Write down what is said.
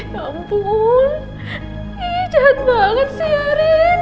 ya ampun ii cahat banget sih ya rin